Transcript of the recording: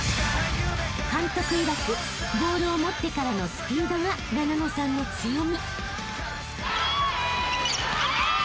［監督いわくボールを持ってからのスピードがななのさんの強み］